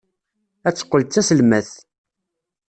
Ad teqqel d taselmadt.